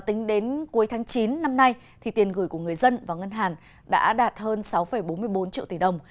tính đến cuối tháng chín năm nay thì tiền gửi của người dân và ngân hàng đã đạt hơn sáu bốn mươi bốn triệu tỷ đồng